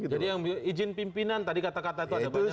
jadi yang izin pimpinan tadi kata kata itu ada banyak pimpinan